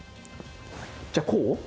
じゃあこう？